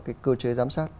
cái cơ chế giám sát